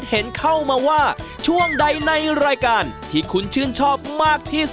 แหละทางนี้ไง